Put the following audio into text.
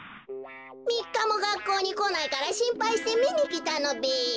みっかもがっこうにこないからしんぱいしてみにきたのべ。